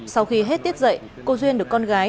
sau khi hết tiết dạy cô duyên được con gái